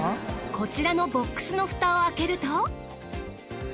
こちらのボックスの蓋を開けると。